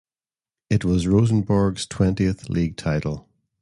It was Rosenborg's twentieth league title.